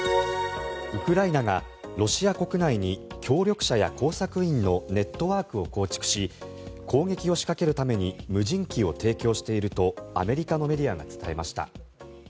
ウクライナがロシア国内に協力者や工作員のネットワークを構築し攻撃を仕掛けるために無人機を提供しているとアメリカのメディアが伝えました。